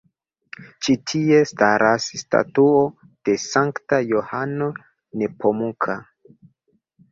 Ĉi tie staras statuo de Sankta Johano Nepomuka.